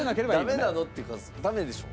「ダメなの？」っていうかダメでしょ。